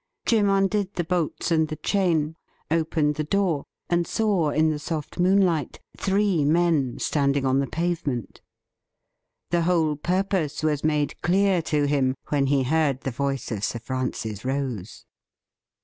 Jim undid the bolts and the chain, opened the door, and saw, in the soft moonlight, three men standing on the pave ment. The whole purpose was made clear to him when he heard the voice of Sir Francis Rose.